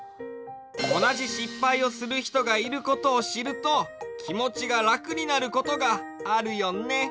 おなじしっぱいをするひとがいることをしるときもちがらくになることがあるよね。